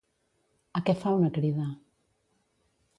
A què fa una crida?